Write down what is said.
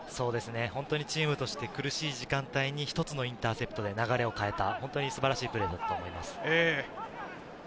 本当にチームとして苦しい時間帯に一つのインターセプトで流れを変えた素晴らしいプレーだったと思います。